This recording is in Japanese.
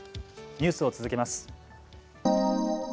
ニュースを続けます。